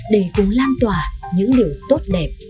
để cùng lan tỏa những điều tốt đẹp